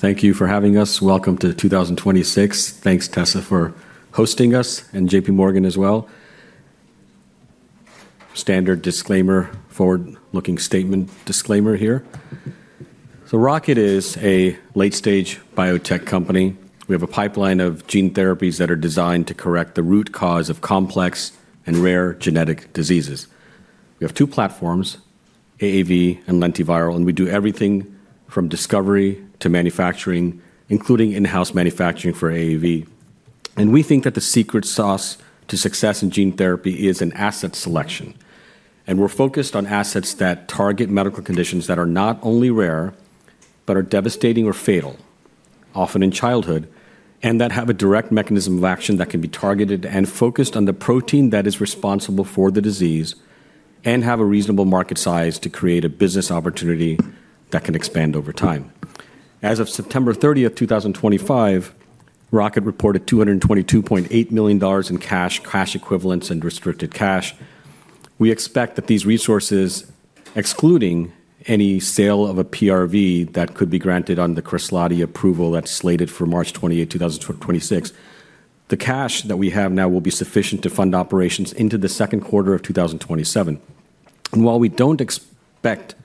Thank you for having us. Welcome to 2026. Thanks, Tessa, for hosting us, and J.P. Morgan as well. Standard disclaimer, forward-looking statement disclaimer here, so Rocket is a late-stage biotech company. We have a pipeline of gene therapies that are designed to correct the root cause of complex and rare genetic diseases. We have two platforms, AAV and lentiviral, and we do everything from discovery to manufacturing, including in-house manufacturing for AAV and we think that the secret sauce to success in gene therapy is in asset selection and we're focused on assets that target medical conditions that are not only rare but are devastating or fatal, often in childhood, and that have a direct mechanism of action that can be targeted and focused on the protein that is responsible for the disease and have a reasonable market size to create a business opportunity that can expand over time. As of September 30, 2025, Rocket reported $222.8 million in cash, cash equivalents, and restricted cash. We expect that these resources, excluding any sale of a PRV that could be granted on the Kresladi approval that's slated for March 28, 2026, the cash that we have now will be sufficient to fund operations into the second quarter of 2027. And while we don't expect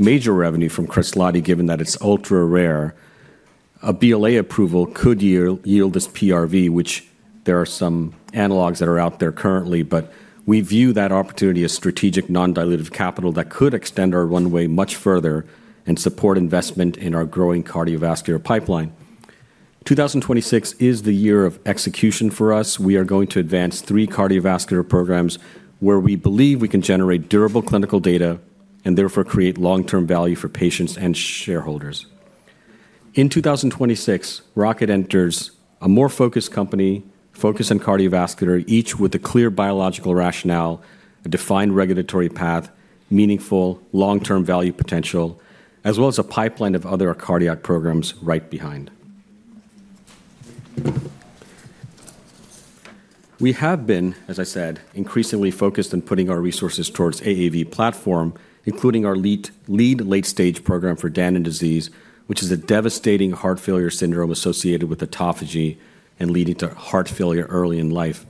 major revenue from Kresladi, given that it's ultra-rare, a BLA approval could yield this PRV, which there are some analogs that are out there currently, but we view that opportunity as strategic non-dilutive capital that could extend our runway much further and support investment in our growing cardiovascular pipeline. 2026 is the year of execution for us. We are going to advance three cardiovascular programs where we believe we can generate durable clinical data and therefore create long-term value for patients and shareholders. In 2026, Rocket enters a more focused company, focused on cardiovascular, each with a clear biological rationale, a defined regulatory path, meaningful long-term value potential, as well as a pipeline of other cardiac programs right behind. We have been, as I said, increasingly focused on putting our resources towards AAV platform, including our lead late-stage program for Danon disease, which is a devastating heart failure syndrome associated with autophagy and leading to heart failure early in life.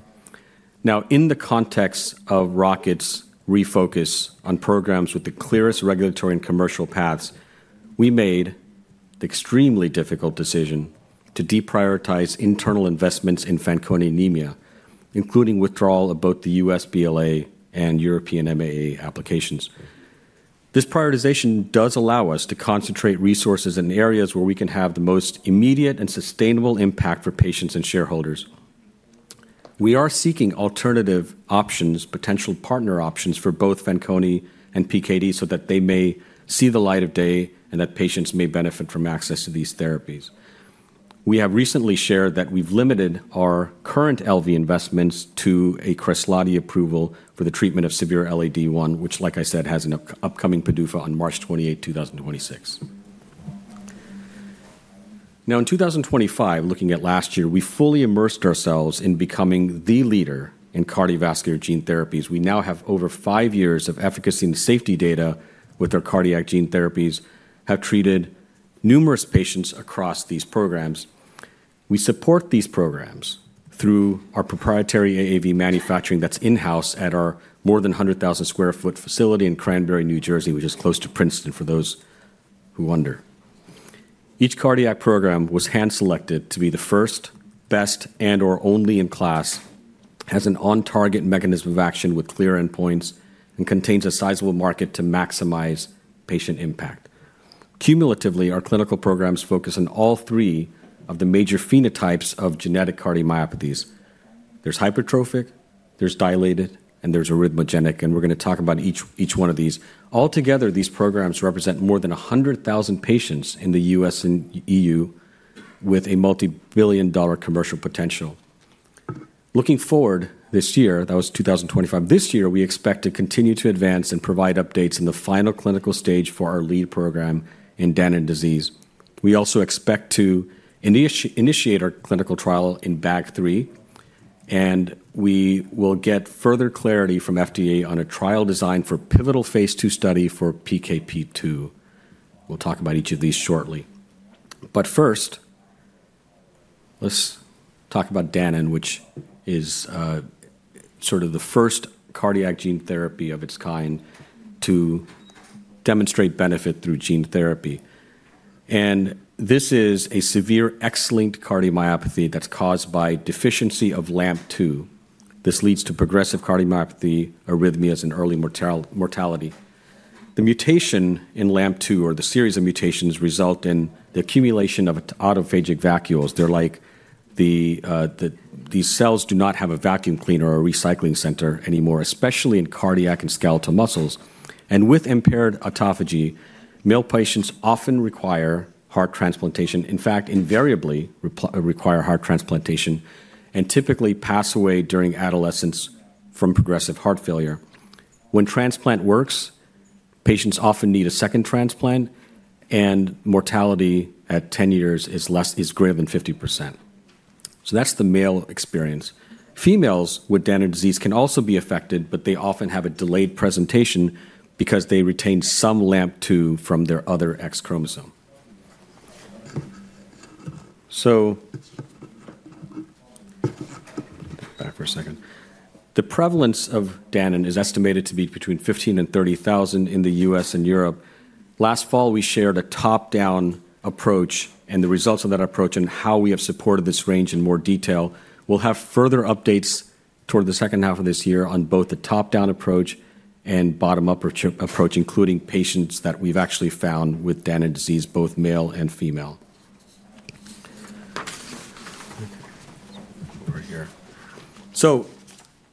Now, in the context of Rocket's refocus on programs with the clearest regulatory and commercial paths, we made the extremely difficult decision to deprioritize internal investments in Fanconi anemia, including withdrawal of both the U.S. BLA and European MAA applications. This prioritization does allow us to concentrate resources in areas where we can have the most immediate and sustainable impact for patients and shareholders. We are seeking alternative options, potential partner options for both Fanconi and PKD so that they may see the light of day and that patients may benefit from access to these therapies. We have recently shared that we've limited our current LV investments to a Kresladi approval for the treatment of severe LAD-1, which, like I said, has an upcoming PDUFA on March 28, 2026. Now, in 2025, looking at last year, we fully immersed ourselves in becoming the leader in cardiovascular gene therapies. We now have over five years of efficacy and safety data with our cardiac gene therapies, have treated numerous patients across these programs. We support these programs through our proprietary AAV manufacturing that's in-house at our more than 100,000 sq ft facility in Cranbury, New Jersey, which is close to Princeton for those who wonder. Each cardiac program was hand-selected to be the first, best, and/or only in class, has an on-target mechanism of action with clear endpoints, and contains a sizable market to maximize patient impact. Cumulatively, our clinical programs focus on all three of the major phenotypes of genetic cardiomyopathies. There's hypertrophic, there's dilated, and there's arrhythmogenic, and we're going to talk about each one of these. Altogether, these programs represent more than 100,000 patients in the U.S. and E.U. with a multibillion-dollar commercial potential. Looking forward this year, that was 2025, this year, we expect to continue to advance and provide updates in the final clinical stage for our lead program in Danon disease. We also expect to initiate our clinical trial in BAG3, and we will get further clarity from FDA on a trial design for pivotal Phase II study for PKP2. We'll talk about each of these shortly. But first, let's talk about Danon, which is sort of the first cardiac gene therapy of its kind to demonstrate benefit through gene therapy. And this is a severe X-linked cardiomyopathy that's caused by deficiency of LAMP2. This leads to progressive cardiomyopathy, arrhythmias, and early mortality. The mutation in LAMP2, or the series of mutations, results in the accumulation of autophagic vacuoles. They're like these cells do not have a vacuum cleaner or a recycling center anymore, especially in cardiac and skeletal muscles. And with impaired autophagy, male patients often require heart transplantation, in fact, invariably require heart transplantation, and typically pass away during adolescence from progressive heart failure. When transplant works, patients often need a second transplant, and mortality at 10 years is greater than 50%. So that's the male experience. Females with Danon disease can also be affected, but they often have a delayed presentation because they retain some LAMP2 from their other X chromosome. So back for a second. The prevalence of Danon is estimated to be between 15,000 and 30,000 in the U.S. and Europe. Last fall, we shared a top-down approach and the results of that approach and how we have supported this range in more detail. We'll have further updates toward the second half of this year on both the top-down approach and bottom-up approach, including patients that we've actually found with Danon disease, both male and female. So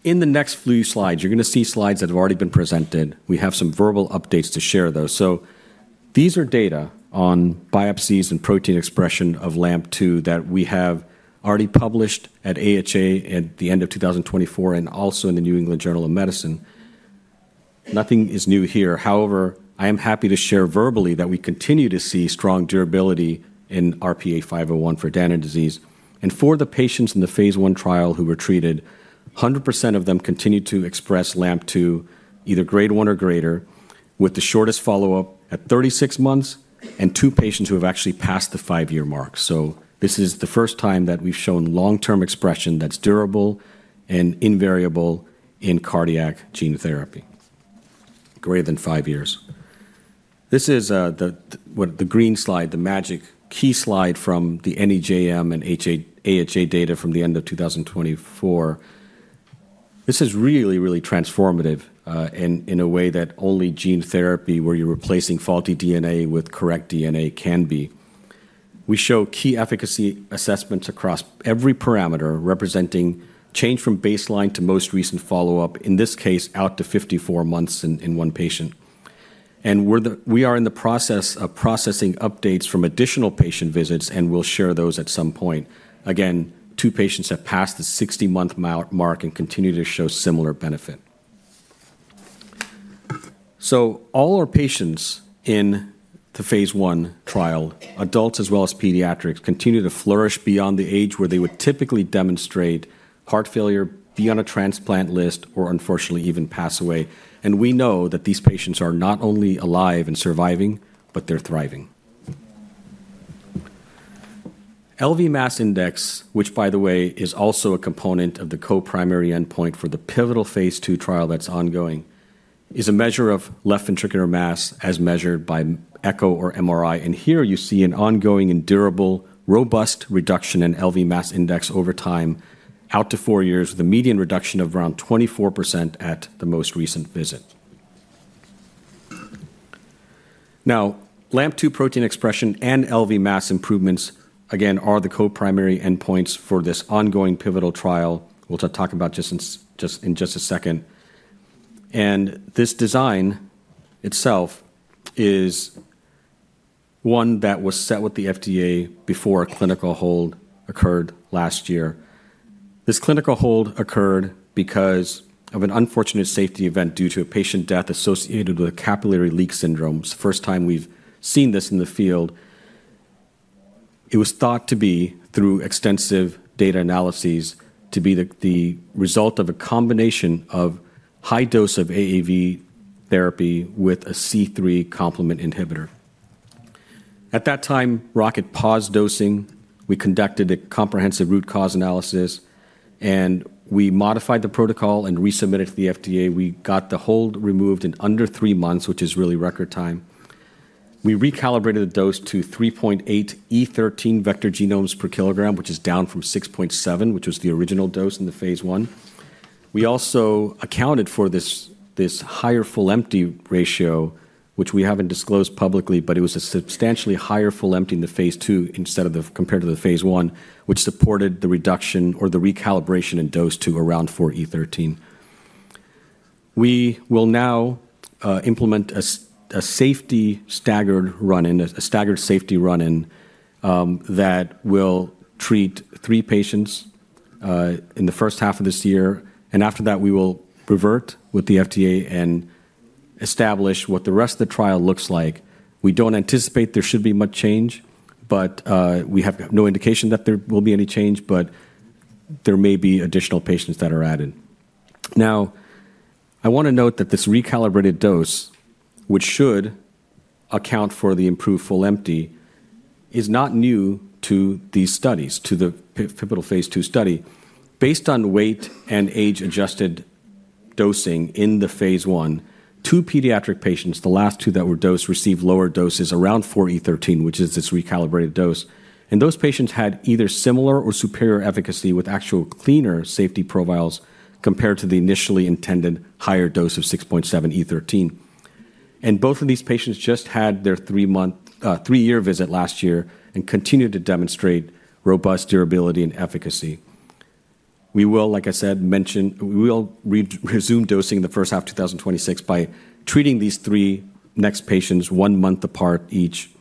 in the next few slides, you're going to see slides that have already been presented. We have some verbal updates to share, though. These are data on biopsies and protein expression of LAMP2 that we have already published at AHA at the end of 2024 and also in the New England Journal of Medicine. Nothing is new here. However, I am happy to share verbally that we continue to see strong durability in RP-A501 for Danon disease. For the patients in the Phase I trial who were treated, 100% of them continued to express LAMP2 either grade one or greater, with the shortest follow-up at 36 months, and two patients who have actually passed the five-year mark. This is the first time that we've shown long-term expression that's durable and invariable in cardiac gene therapy, greater than five years. This is the green slide, the magic key slide from the NEJM and AHA data from the end of 2024. This is really, really transformative in a way that only gene therapy where you're replacing faulty DNA with correct DNA can be. We show key efficacy assessments across every parameter representing change from baseline to most recent follow-up, in this case, out to 54 months in one patient, and we are in the process of processing updates from additional patient visits, and we'll share those at some point. Again, two patients have passed the 60-month mark and continue to show similar benefit, so all our patients in the Phase I trial, adults as well as pediatrics, continue to flourish beyond the age where they would typically demonstrate heart failure, be on a transplant list, or unfortunately even pass away, and we know that these patients are not only alive and surviving, but they're thriving. LV mass index, which, by the way, is also a component of the co-primary endpoint for the pivotal Phase II trial that's ongoing, is a measure of left ventricular mass as measured by echo or MRI. And here you see an ongoing and durable robust reduction in LV mass index over time out to four years, with a median reduction of around 24% at the most recent visit. Now, LAMP2 protein expression and LV mass improvements, again, are the co-primary endpoints for this ongoing pivotal trial we'll talk about in just a second. And this design itself is one that was set with the FDA before a clinical hold occurred last year. This clinical hold occurred because of an unfortunate safety event due to a patient death associated with a capillary leak syndrome. It's the first time we've seen this in the field. It was thought to be, through extensive data analyses, to be the result of a combination of high dose of AAV therapy with a C3 complement inhibitor. At that time, Rocket paused dosing. We conducted a comprehensive root cause analysis, and we modified the protocol and resubmitted to the FDA. We got the hold removed in under three months, which is really record time. We recalibrated the dose to 3.8e13 vector genomes per kilogram, which is down from 6.7e13, which was the original dose in the Phase I. We also accounted for this higher full-empty ratio, which we haven't disclosed publicly, but it was a substantially higher full-empty in the Phase II compared to the Phase I, which supported the reduction or the recalibration in dose to around 4e13. We will now implement a safety staggered run-in, a staggered safety run-in that will treat three patients in the first half of this year, and after that, we will revert with the FDA and establish what the rest of the trial looks like. We don't anticipate there should be much change, but we have no indication that there will be any change, but there may be additional patients that are added. Now, I want to note that this recalibrated dose, which should account for the improved full empty, is not new to these studies, to the pivotal Phase II study. Based on weight and age-adjusted dosing in the Phase I, two pediatric patients, the last two that were dosed, received lower doses around 4E13, which is this recalibrated dose. Those patients had either similar or superior efficacy with actual cleaner safety profiles compared to the initially intended higher dose of 6.7e13. Both of these patients just had their three-year visit last year and continued to demonstrate robust durability and efficacy. We will, like I said, mention we will resume dosing in the first half of 2026 by treating these three next patients one month apart each.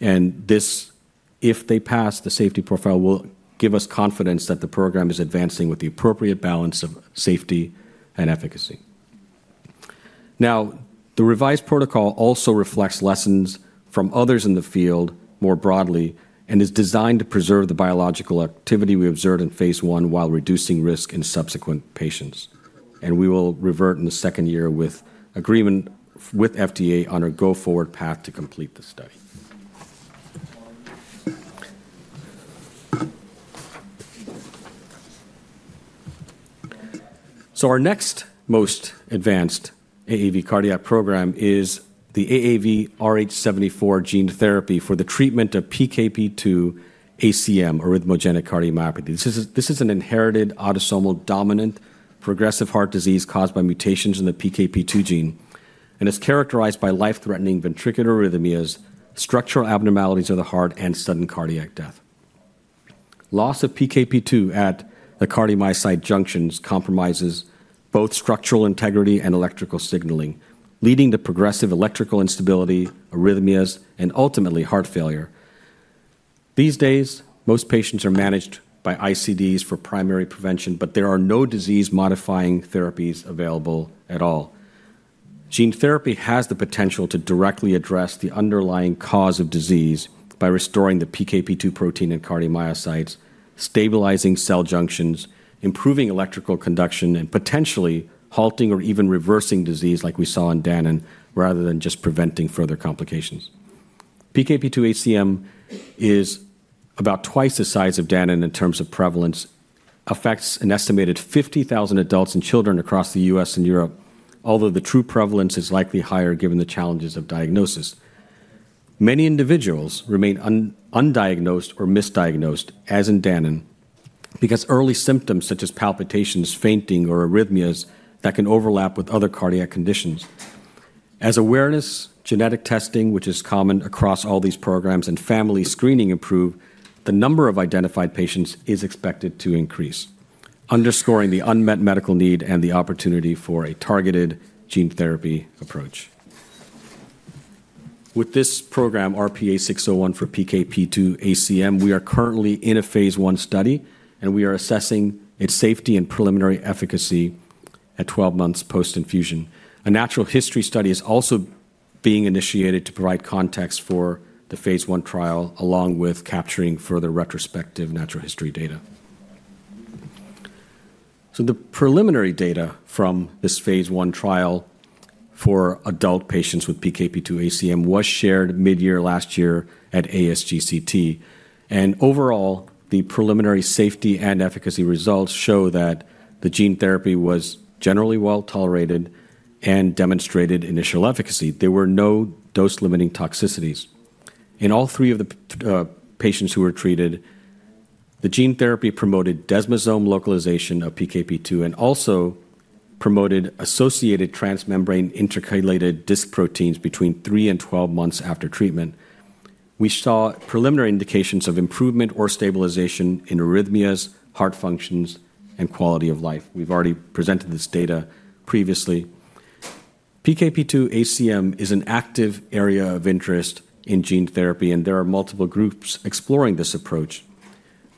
This, if they pass the safety profile, will give us confidence that the program is advancing with the appropriate balance of safety and efficacy. The revised protocol also reflects lessons from others in the field more broadly and is designed to preserve the biological activity we observed in Phase I while reducing risk in subsequent patients. We will report in the second year with agreement with FDA on a go-forward path to complete the study. Our next most advanced AAV cardiac program is the AAVrh74 gene therapy for the treatment of PKP2 ACM, arrhythmogenic cardiomyopathy. This is an inherited autosomal dominant progressive heart disease caused by mutations in the PKP2 gene. It is characterized by life-threatening ventricular arrhythmias, structural abnormalities of the heart, and sudden cardiac death. Loss of PKP2 at the cardiomyocyte junctions compromises both structural integrity and electrical signaling, leading to progressive electrical instability, arrhythmias, and ultimately heart failure. These days, most patients are managed by ICDs for primary prevention, but there are no disease-modifying therapies available at all. Gene therapy has the potential to directly address the underlying cause of disease by restoring the PKP2 protein and cardiomyocytes, stabilizing cell junctions, improving electrical conduction, and potentially halting or even reversing disease like we saw in Danon, rather than just preventing further complications. PKP2-ACM is about twice the size of Danon in terms of prevalence, affects an estimated 50,000 adults and children across the U.S. and Europe, although the true prevalence is likely higher given the challenges of diagnosis. Many individuals remain undiagnosed or misdiagnosed, as in Danon, because early symptoms such as palpitations, fainting, or arrhythmias that can overlap with other cardiac conditions. As awareness, genetic testing, which is common across all these programs, and family screening improve, the number of identified patients is expected to increase, underscoring the unmet medical need and the opportunity for a targeted gene therapy approach. With this program, RPA-601 for PKP2-ACM, we are currently in a Phase I study, and we are assessing its safety and preliminary efficacy at 12 months post-infusion. A natural history study is also being initiated to provide context for the Phase I trial, along with capturing further retrospective natural history data. So the preliminary data from this Phase I trial for adult patients with PKP2 ACM was shared mid-year last year at ASGCT. And overall, the preliminary safety and efficacy results show that the gene therapy was generally well tolerated and demonstrated initial efficacy. There were no dose-limiting toxicities. In all three of the patients who were treated, the gene therapy promoted desmosome localization of PKP2 and also promoted associated transmembrane intercalated disc proteins between three and 12 months after treatment. We saw preliminary indications of improvement or stabilization in arrhythmias, heart functions, and quality of life. We've already presented this data previously. PKP2 ACM is an active area of interest in gene therapy, and there are multiple groups exploring this approach.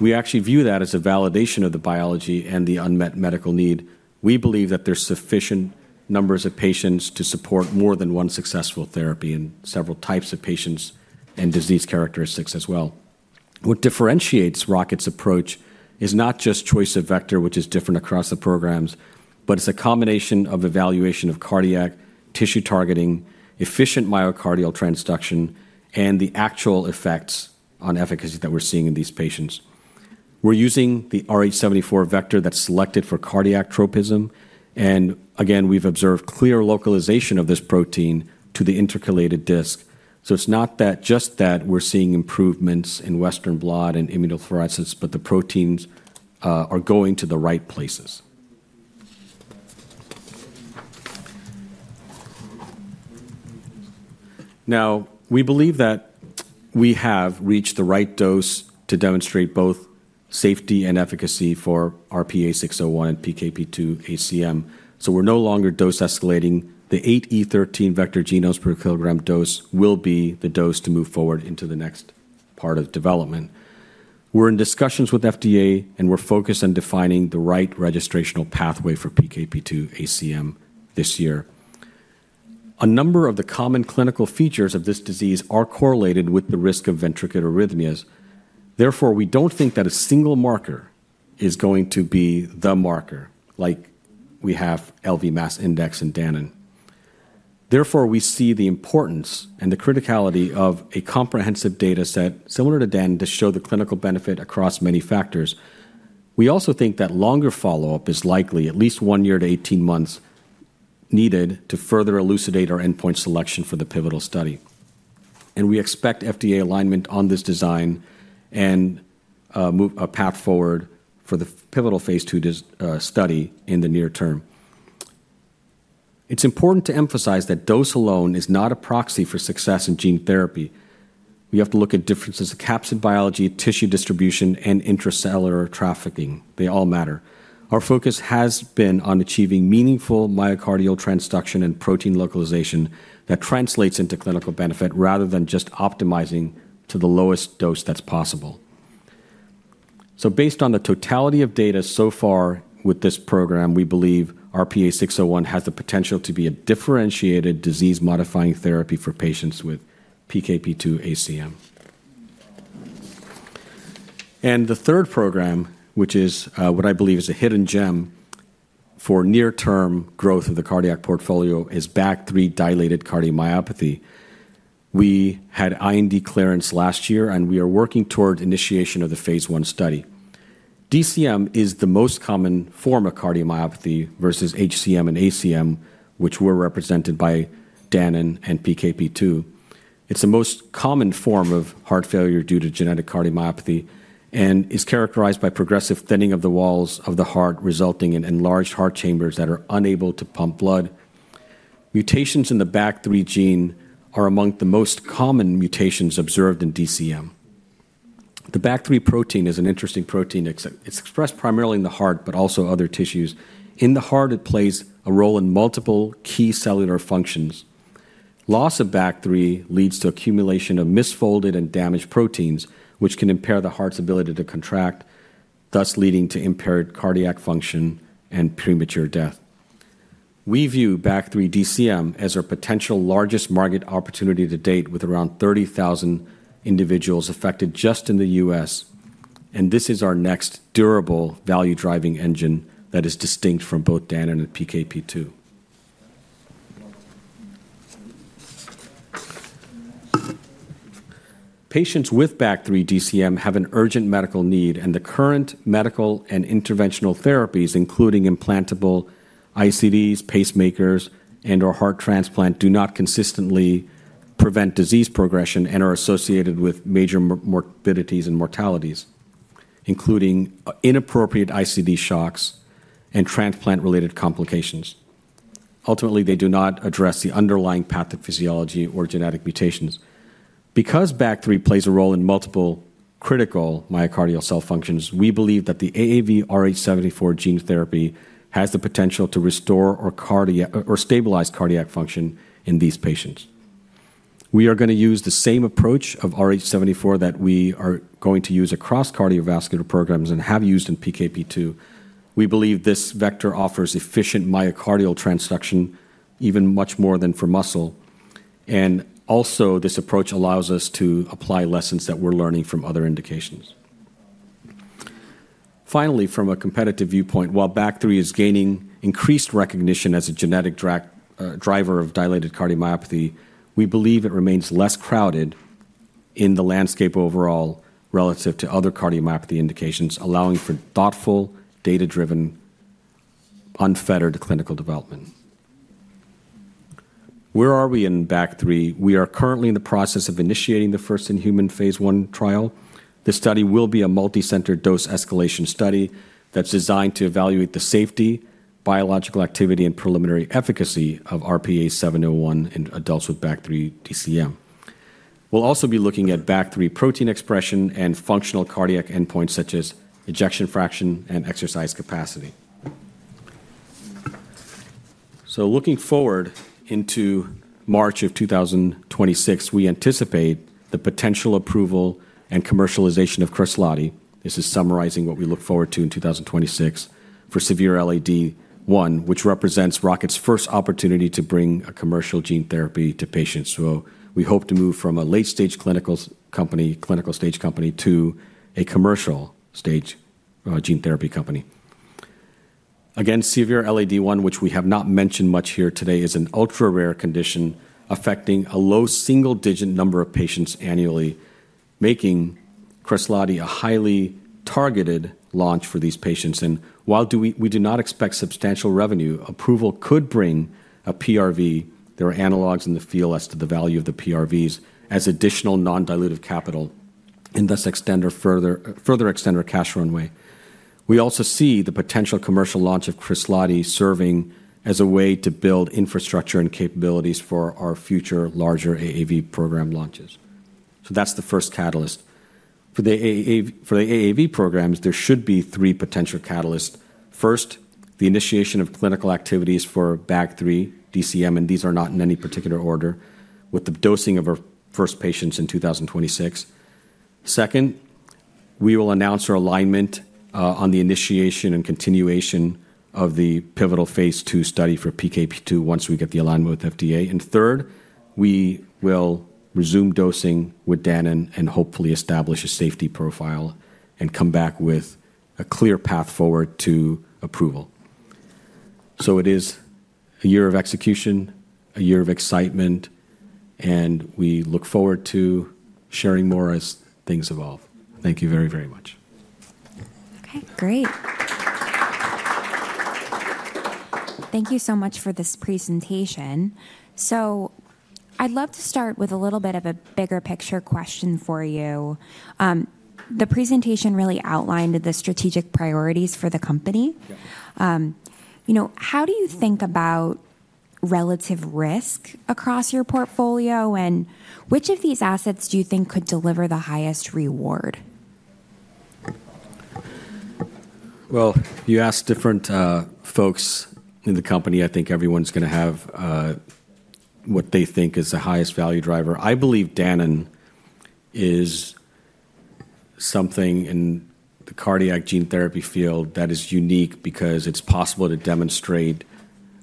We actually view that as a validation of the biology and the unmet medical need. We believe that there are sufficient numbers of patients to support more than one successful therapy in several types of patients and disease characteristics as well. What differentiates Rocket's approach is not just choice of vector, which is different across the programs, but it's a combination of evaluation of cardiac tissue targeting, efficient myocardial transduction, and the actual effects on efficacy that we're seeing in these patients. We're using the RH74 vector that's selected for cardiac tropism, and again, we've observed clear localization of this protein to the intercalated disc, so it's not just that we're seeing improvements in Western blot and immunofluorescence, but the proteins are going to the right places. Now, we believe that we have reached the right dose to demonstrate both safety and efficacy for RP-A601 and PKP2 ACM. So we're no longer dose escalating. The 8E13 vector genomes per kilogram dose will be the dose to move forward into the next part of development. We're in discussions with FDA, and we're focused on defining the right registrational pathway for PKP2 ACM this year. A number of the common clinical features of this disease are correlated with the risk of ventricular arrhythmias. Therefore, we don't think that a single marker is going to be the marker like we have LV mass index in Danon. Therefore, we see the importance and the criticality of a comprehensive data set similar to Danon to show the clinical benefit across many factors. We also think that longer follow-up is likely, at least one year to 18 months, needed to further elucidate our endpoint selection for the pivotal study. We expect FDA alignment on this design and a path forward for the pivotal Phase II study in the near term. It's important to emphasize that dose alone is not a proxy for success in gene therapy. We have to look at differences in capsid biology, tissue distribution, and intracellular trafficking. They all matter. Our focus has been on achieving meaningful myocardial transduction and protein localization that translates into clinical benefit rather than just optimizing to the lowest dose that's possible. Based on the totality of data so far with this program, we believe RP-A601 has the potential to be a differentiated disease-modifying therapy for patients with PKP2 ACM. The third program, which is what I believe is a hidden gem for near-term growth of the cardiac portfolio, is BAG3 dilated cardiomyopathy. We had IND clearance last year, and we are working toward initiation of the Phase I study. DCM is the most common form of cardiomyopathy versus HCM and ACM, which were represented by Danon and PKP2. It's the most common form of heart failure due to genetic cardiomyopathy and is characterized by progressive thinning of the walls of the heart, resulting in enlarged heart chambers that are unable to pump blood. Mutations in the BAG3 gene are among the most common mutations observed in DCM. The BAG3 protein is an interesting protein. It's expressed primarily in the heart, but also other tissues. In the heart, it plays a role in multiple key cellular functions. Loss of BAG3 leads to accumulation of misfolded and damaged proteins, which can impair the heart's ability to contract, thus leading to impaired cardiac function and premature death. We view BAG3 DCM as our potential largest market opportunity to date, with around 30,000 individuals affected just in the U.S., and this is our next durable value-driving engine that is distinct from both Danon and PKP2. Patients with BAG3 DCM have an urgent medical need, and the current medical and interventional therapies, including implantable ICDs, pacemakers, and/or heart transplant, do not consistently prevent disease progression and are associated with major morbidities and mortalities, including inappropriate ICD shocks and transplant-related complications. Ultimately, they do not address the underlying pathophysiology or genetic mutations. Because BAG3 plays a role in multiple critical myocardial cell functions, we believe that the AAVrh74 gene therapy has the potential to restore or stabilize cardiac function in these patients. We are going to use the same approach of rh74 that we are going to use across cardiovascular programs and have used in PKP2. We believe this vector offers efficient myocardial transduction even much more than for muscle. And also, this approach allows us to apply lessons that we're learning from other indications. Finally, from a competitive viewpoint, while BAG3 is gaining increased recognition as a genetic driver of dilated cardiomyopathy, we believe it remains less crowded in the landscape overall relative to other cardiomyopathy indications, allowing for thoughtful, data-driven, unfettered clinical development. Where are we in BAG3? We are currently in the process of initiating the first-in-human Phase I trial. This study will be a multi-centered dose escalation study that's designed to evaluate the safety, biological activity, and preliminary efficacy of RP-A701 in adults with BAG3 DCM. We'll also be looking at BAG3 protein expression and functional cardiac endpoints such as ejection fraction and exercise capacity. So looking forward into March of 2026, we anticipate the potential approval and commercialization of Kresladi. This is summarizing what we look forward to in 2026 for severe LAD-1, which represents Rocket's first opportunity to bring a commercial gene therapy to patients. So we hope to move from a late-stage clinical stage company to a commercial stage gene therapy company. Again, severe LAD1, which we have not mentioned much here today, is an ultra-rare condition affecting a low single-digit number of patients annually, making Kresladi a highly targeted launch for these patients. And while we do not expect substantial revenue, approval could bring a PRV. There are analogs in the field as to the value of the PRVs, as additional non-dilutive capital and thus further extend our cash runway. We also see the potential commercial launch of Kresladi serving as a way to build infrastructure and capabilities for our future larger AAV program launches. So that's the first catalyst. For the AAV programs, there should be three potential catalysts. First, the initiation of clinical activities for BAG3 DCM, and these are not in any particular order, with the dosing of our first patients in 2026. Second, we will announce our alignment on the initiation and continuation of the pivotal Phase II study for PKP2 once we get the alignment with FDA. And third, we will resume dosing with Danon and hopefully establish a safety profile and come back with a clear path forward to approval. So it is a year of execution, a year of excitement, and we look forward to sharing more as things evolve. Thank you very, very much. Okay, great. Thank you so much for this presentation. So I'd love to start with a little bit of a bigger picture question for you. The presentation really outlined the strategic priorities for the company. How do you think about relative risk across your portfolio, and which of these assets do you think could deliver the highest reward? Well, you asked different folks in the company. I think everyone's going to have what they think is the highest value driver. I believe Danon is something in the cardiac gene therapy field that is unique because it's possible to demonstrate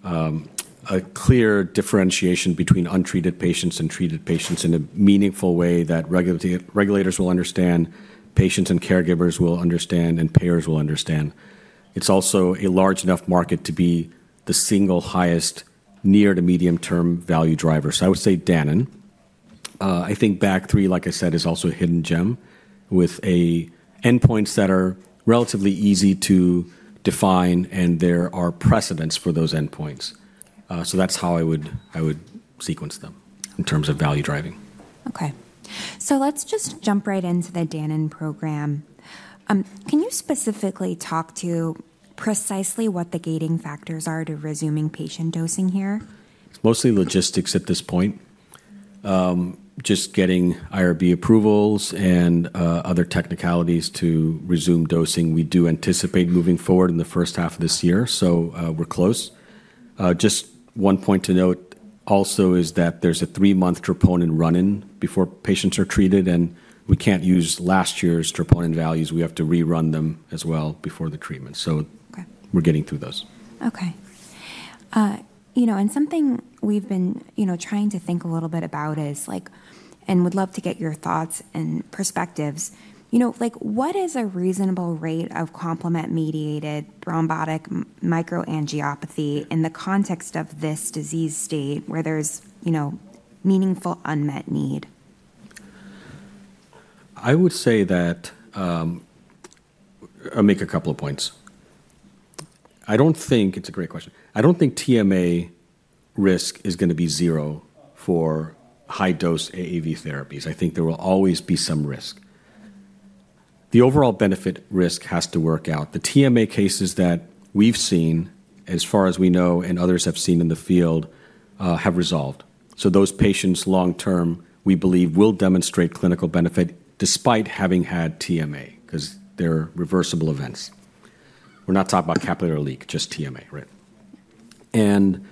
a clear differentiation between untreated patients and treated patients in a meaningful way that regulators will understand, patients and caregivers will understand, and payers will understand. It's also a large enough market to be the single highest near-to-medium-term value driver. So I would say Danon. I think BAG3, like I said, is also a hidden gem with endpoints that are relatively easy to define, and there are precedents for those endpoints. So that's how I would sequence them in terms of value driving. Okay. So let's just jump right into the Danon program. Can you specifically talk to precisely what the gating factors are to resuming patient dosing here? It's mostly logistics at this point. Just getting IRB approvals and other technicalities to resume dosing, we do anticipate moving forward in the first half of this year. So we're close. Just one point to note also is that there's a three-month troponin run-in before patients are treated, and we can't use last year's troponin values. We have to rerun them as well before the treatment. So we're getting through those. Okay. Something we've been trying to think a little bit about is, and would love to get your thoughts and perspectives. What is a reasonable rate of complement-mediated thrombotic microangiopathy in the context of this disease state where there's meaningful unmet need? I would say that I'll make a couple of points. It's a great question. I don't think TMA risk is going to be zero for high-dose AAV therapies. I think there will always be some risk. The overall benefit risk has to work out. The TMA cases that we've seen, as far as we know and others have seen in the field, have resolved. So those patients long-term, we believe, will demonstrate clinical benefit despite having had TMA because they're reversible events. We're not talking about capillary leak, just TMA, right? And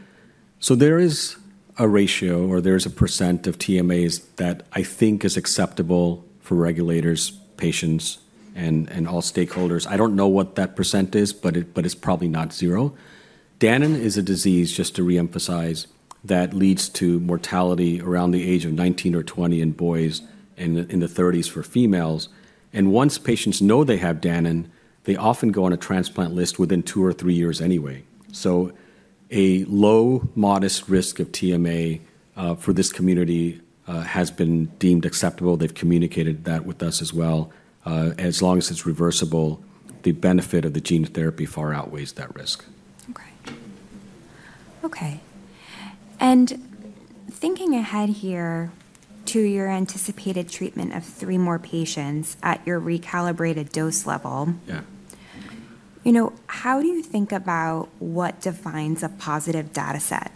so there is a ratio or there's a percent of TMAs that I think is acceptable for regulators, patients, and all stakeholders. I don't know what that percent is, but it's probably not zero. Danon is a disease, just to reemphasize, that leads to mortality around the age of 19 or 20 in boys and in the 30s for females. And once patients know they have Danon, they often go on a transplant list within two or three years anyway. So a low modest risk of TMA for this community has been deemed acceptable. They've communicated that with us as well. As long as it's reversible, the benefit of the gene therapy far outweighs that risk. Okay. Okay. And thinking ahead here to your anticipated treatment of three more patients at your recalibrated dose level, how do you think about what defines a positive data set?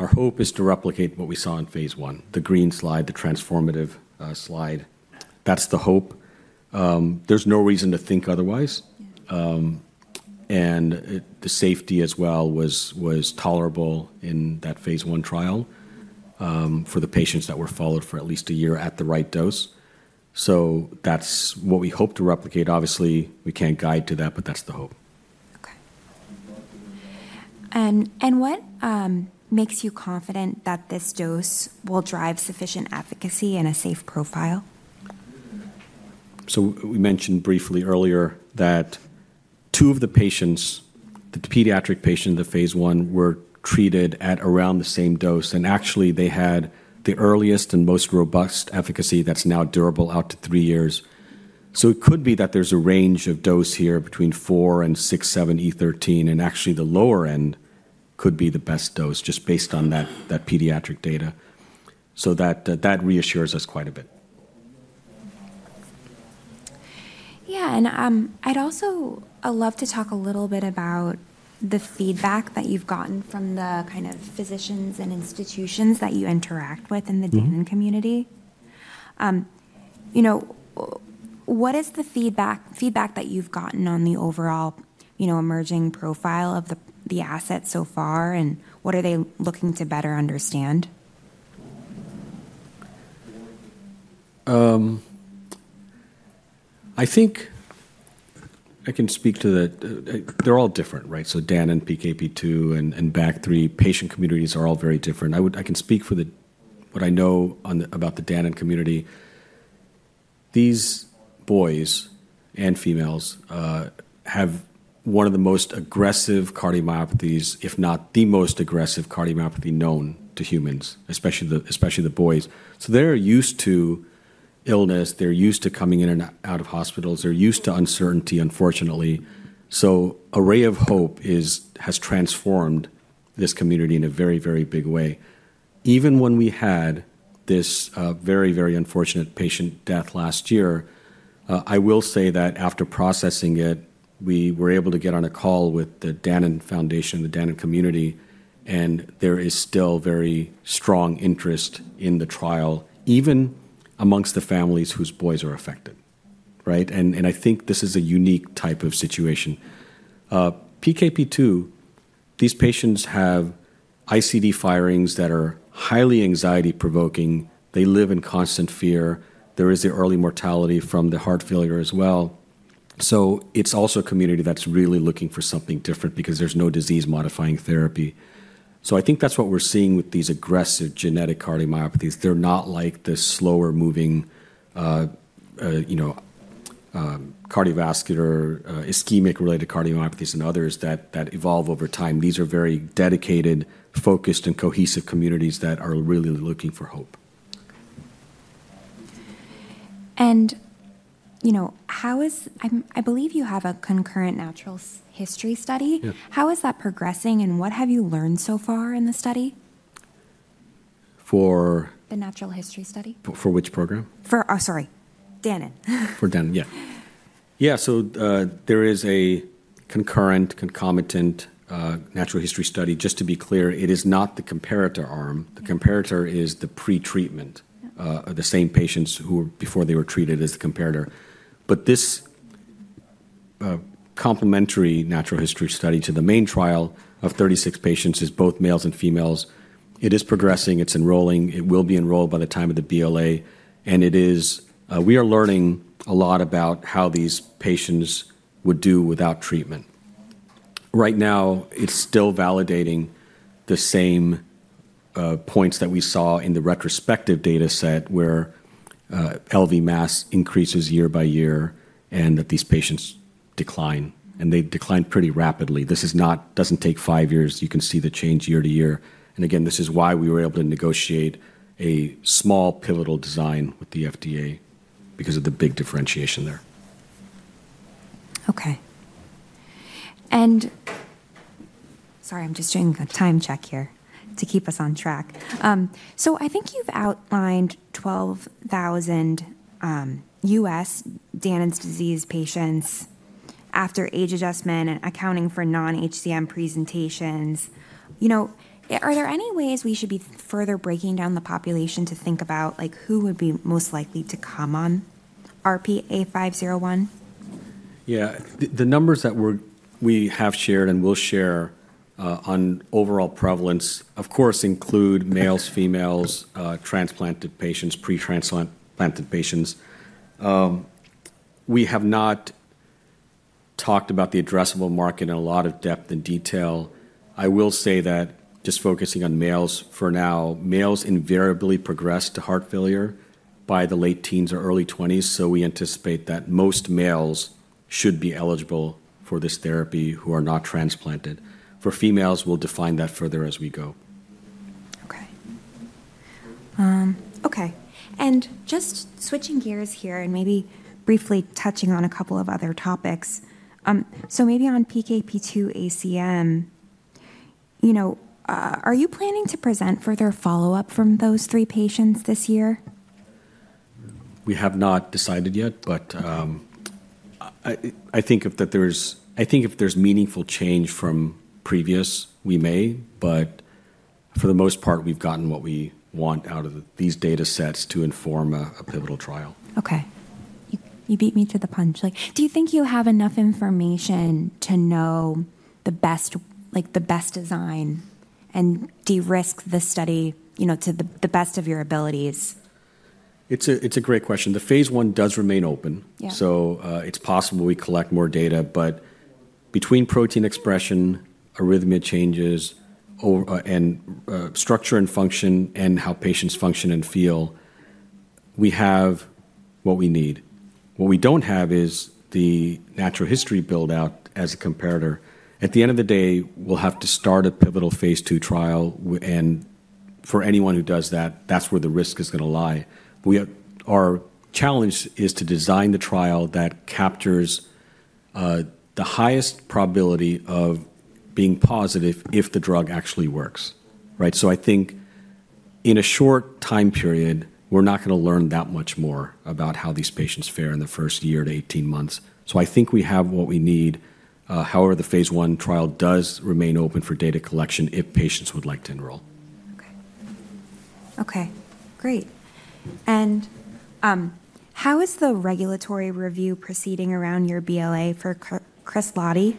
Our hope is to replicate what we saw in Phase I, the green slide, the transformative slide. That's the hope. There's no reason to think otherwise, and the safety as well was tolerable in that Phase I trial for the patients that were followed for at least a year at the right dose. So that's what we hope to replicate. Obviously, we can't guide to that, but that's the hope. Okay. And what makes you confident that this dose will drive sufficient efficacy and a safe profile? So we mentioned briefly earlier that two of the patients, the pediatric patient in the Phase I, were treated at around the same dose, and actually, they had the earliest and most robust efficacy that's now durable out to three years. So it could be that there's a range of dose here between four and six, seven e13, and actually the lower end could be the best dose just based on that pediatric data. So that reassures us quite a bit. Yeah. And I'd also love to talk a little bit about the feedback that you've gotten from the kind of physicians and institutions that you interact with in the Danon community. What is the feedback that you've gotten on the overall emerging profile of the asset so far, and what are they looking to better understand? I think I can speak to that. They're all different, right? So Danon, PKP2, and BAG3 patient communities are all very different. I can speak for what I know about the Danon community. These boys and females have one of the most aggressive cardiomyopathies, if not the most aggressive cardiomyopathy known to humans, especially the boys, so they're used to illness. They're used to coming in and out of hospitals. They're used to uncertainty, unfortunately, so a ray of hope has transformed this community in a very, very big way. Even when we had this very, very unfortunate patient death last year, I will say that after processing it, we were able to get on a call with the Danon Foundation, the Danon community, and there is still very strong interest in the trial, even amongst the families whose boys are affected, right, and I think this is a unique type of situation. PKP2, these patients have ICD firings that are highly anxiety-provoking. They live in constant fear. There is the early mortality from the heart failure as well. So it's also a community that's really looking for something different because there's no disease-modifying therapy. So I think that's what we're seeing with these aggressive genetic cardiomyopathies. They're not like the slower-moving cardiovascular ischemic-related cardiomyopathies and others that evolve over time. These are very dedicated, focused, and cohesive communities that are really looking for hope. And how is—I believe you have a concurrent natural history study. How is that progressing, and what have you learned so far in the study? For the natural history study? For which program? For—oh, sorry. Danon. For Danon, yeah. Yeah. So there is a concurrent concomitant natural history study. Just to be clear, it is not the comparator arm. The comparator is the pretreatment of the same patients before they were treated as the comparator. This complementary natural history study to the main trial of 36 patients, both males and females, it is progressing. It's enrolling. It will be enrolled by the time of the BLA. We are learning a lot about how these patients would do without treatment. Right now, it's still validating the same points that we saw in the retrospective data set where LV mass increases year by year and that these patients decline. They decline pretty rapidly. This doesn't take five years. You can see the change year to year. Again, this is why we were able to negotiate a small pivotal design with the FDA because of the big differentiation there. Okay. Sorry, I'm just doing a time check here to keep us on track. I think you've outlined 12,000 U.S. Danon disease patients after age adjustment and accounting for non-HCM presentations. Are there any ways we should be further breaking down the population to think about who would be most likely to come on RP-A501? Yeah. The numbers that we have shared and will share on overall prevalence, of course, include males, females, transplanted patients, pretransplanted patients. We have not talked about the addressable market in a lot of depth and detail. I will say that just focusing on males for now, males invariably progress to heart failure by the late teens or early 20s. So we anticipate that most males should be eligible for this therapy who are not transplanted. For females, we'll define that further as we go. Okay. Okay. And just switching gears here and maybe briefly touching on a couple of other topics. So maybe on PKP2-ACM, are you planning to present for their follow-up from those three patients this year? We have not decided yet, but I think if there's meaningful change from previous, we may. But for the most part, we've gotten what we want out of these data sets to inform a pivotal trial. Okay. You beat me to the punch. Do you think you have enough information to know the best design and de-risk the study to the best of your abilities? It's a great question. The Phase I does remain open. So it's possible we collect more data. But between protein expression, arrhythmia changes, and structure and function, and how patients function and feel, we have what we need. What we don't have is the natural history build-out as a comparator. At the end of the day, we'll have to start a pivotal Phase II trial. For anyone who does that, that's where the risk is going to lie. Our challenge is to design the trial that captures the highest probability of being positive if the drug actually works, right? So I think in a short time period, we're not going to learn that much more about how these patients fare in the first year to 18 months. So I think we have what we need. However, the Phase I trial does remain open for data collection if patients would like to enroll. Okay. Okay. Great. And how is the regulatory review proceeding around your BLA for Kresladi?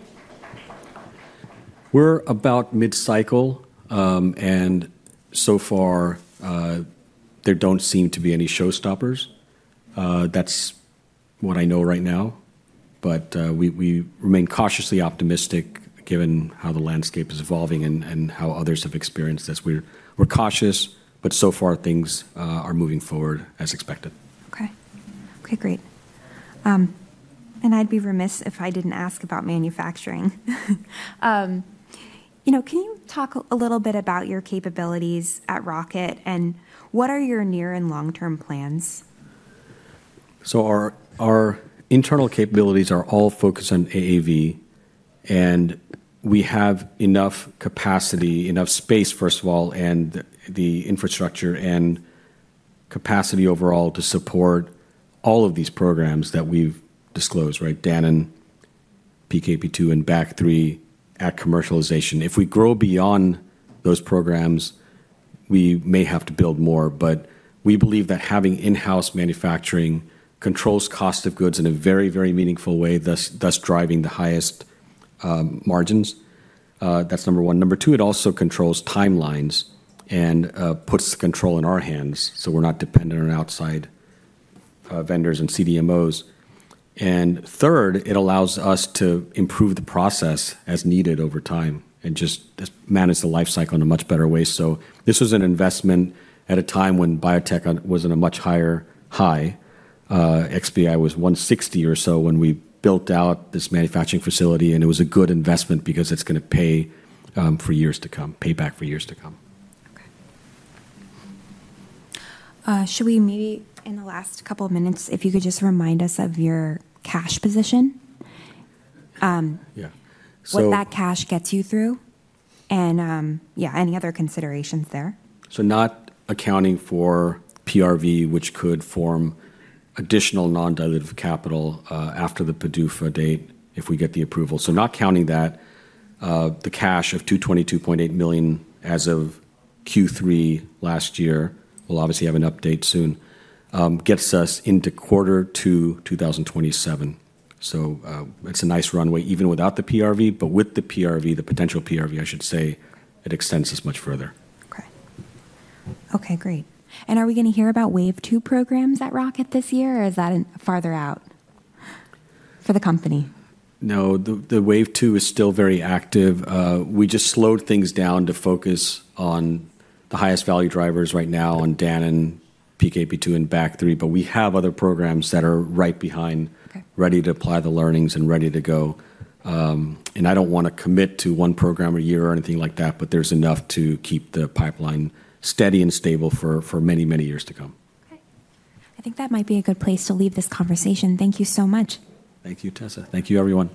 We're about mid-cycle. And so far, there don't seem to be any showstoppers. That's what I know right now. But we remain cautiously optimistic given how the landscape is evolving and how others have experienced this. We're cautious, but so far, things are moving forward as expected. Okay. Okay. Great. And I'd be remiss if I didn't ask about manufacturing. Can you talk a little bit about your capabilities at Rocket? And what are your near and long-term plans? Our internal capabilities are all focused on AAV. We have enough capacity, enough space, first of all, and the infrastructure and capacity overall to support all of these programs that we've disclosed, right? Danon, PKP2, and BAG3 at commercialization. If we grow beyond those programs, we may have to build more. We believe that having in-house manufacturing controls cost of goods in a very, very meaningful way, thus driving the highest margins. That's number one. Number two, it also controls timelines and puts the control in our hands so we're not dependent on outside vendors and CDMOs. Third, it allows us to improve the process as needed over time and just manage the life cycle in a much better way. This was an investment at a time when biotech was in a much higher high. XBI was 160 or so when we built out this manufacturing facility. And it was a good investment because it's going to pay for years to come, pay back for years to come. Okay. Should we maybe in the last couple of minutes, if you could just remind us of your cash position? Yeah. So. What that cash gets you through? And yeah, any other considerations there? So not accounting for PRV, which could form additional non-dilutive capital after the PDUFA date if we get the approval. So not counting that, the cash of $222.8 million as of Q3 last year, we'll obviously have an update soon, gets us into quarter two 2027. So it's a nice runway even without the PRV. But with the PRV, the potential PRV, I should say, it extends this much further. Okay. Okay. Great. And are we going to hear about wave two programs at Rocket this year, or is that farther out for the company? No, the wave two is still very active. We just slowed things down to focus on the highest value drivers right now on Danon, PKP2, and BAG3. But we have other programs that are right behind, ready to apply the learnings and ready to go. And I don't want to commit to one program a year or anything like that, but there's enough to keep the pipeline steady and stable for many, many years to come. Okay. I think that might be a good place to leave this conversation. Thank you so much. Thank you, Tessa. Thank you, everyone.